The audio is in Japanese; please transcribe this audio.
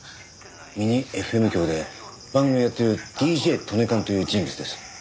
ミニＦＭ局で番組をやっているＤＪＴＯＮＥＫＡＮという人物です。